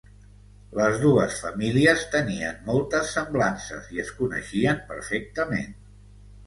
Les dues famílies tenien moltes semblances i es coneixien perfectament.